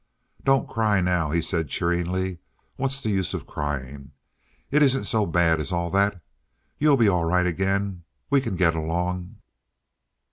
"Don't cry now," he said cheeringly. "What's the use of crying? It isn't so bad as all that. You'll be all right again. We can get along."